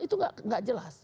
itu enggak jelas